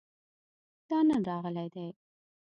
دا نن راغلی دی